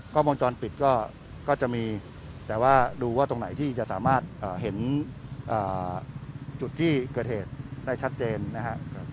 วงจรปิดก็จะมีแต่ว่าดูว่าตรงไหนที่จะสามารถเห็นจุดที่เกิดเหตุได้ชัดเจนนะครับ